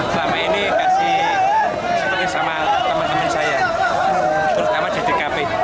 selama ini kasih seperti sama teman teman saya terutama di dkp